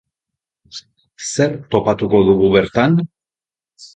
Zer topatuko dugu bertan?